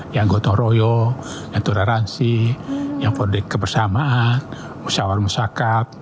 yang gotoh royoh yang turaransi yang berdek kebersamaan musyawar musyakab